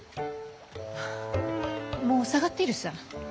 もう下がっているさ。